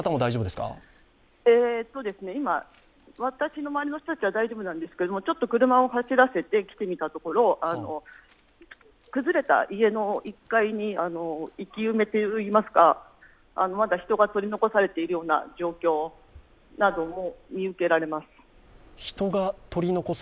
私の周りの人たちは大丈夫なんですけど、ちょっと車を走らせてきてみたところ崩れた家の１階に生き埋めといいますか、まだ人が取り残されているような状況なども見受けられます。